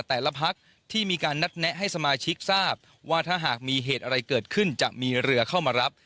แต่ละพักที่มีการนัดแนะให้สมาชิกทราบว่าถ้าหากมีเหตุอะไรเกิดขึ้นจะมีเรือเข้ามารับ